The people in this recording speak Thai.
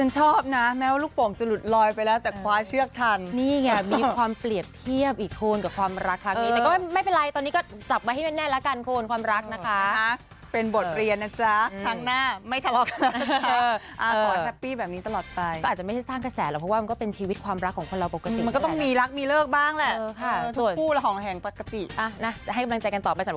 จะให้กำลังใจกันต่อไปสำหรับคู่นี้